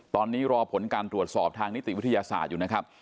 ตอนนี้รอผลการตรวจสอบทางนิติวิทยาศาสตร์อยู่นะครับ